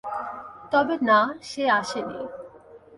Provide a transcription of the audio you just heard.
তবে না, সে আসেনি।